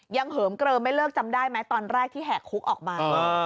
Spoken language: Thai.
เหิมเกลิมไม่เลิกจำได้ไหมตอนแรกที่แหกคุกออกมา